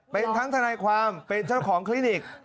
เป็นทั้งทนายความเป็นเจ้าของคลินิก